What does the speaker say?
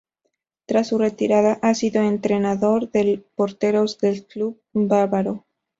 Tras su retirada ha sido entrenador de porteros del club bávaro.